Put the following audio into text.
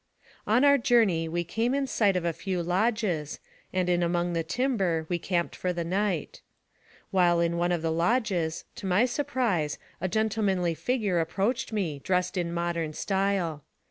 On our journey we came in sight of a few lodges, and in among the timber we camped for the night. While in one of the lodges, to my surprise, a gentle manly figure approached me, dressed in modern style.